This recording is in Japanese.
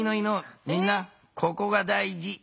みんなここがだいじ。